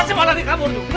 kamu bukit kamu bukit